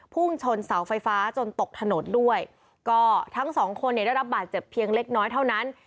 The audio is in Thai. พุ่งชนเสาไฟฟ้าจนตกถนนด้วยก็ทั้งสองคนเนี่ยได้รับบาดเจ็บเพียงเล็กน้อยเท่านั้น